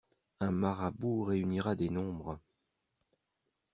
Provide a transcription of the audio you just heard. Un marabout réunira des nombres.